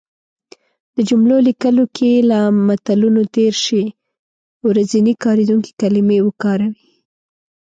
د جملو لیکلو کې له متلونو تېر شی. ورځنی کارېدونکې کلمې وکاروی